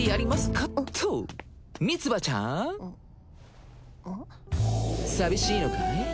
かっとミツバちゃん寂しいのかい？